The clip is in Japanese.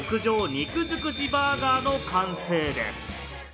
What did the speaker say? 肉づくしバーガーの完成です。